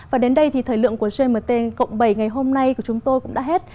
và đến đây thì thời lượng của gmt cộng bảy ngày hôm nay của chúng tôi cũng đã hết